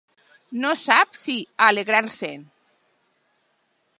No sap si alegrar-se'n.